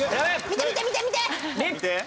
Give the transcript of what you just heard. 見て見て見て見て！